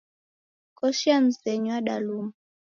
Koshi ya mzenyu yadaluma.